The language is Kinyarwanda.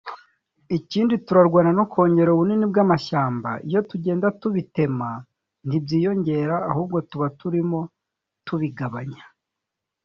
Ikindi turarwana no kongera ubunini bw’amashyamba; iyo tugenda tubitema ntibyiyongera ahubwo tuba turimo tubigabanya